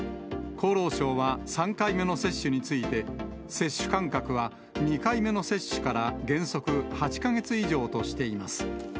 厚労省は３回目の接種について、接種間隔は２回目の接種から原則８か月以上としています。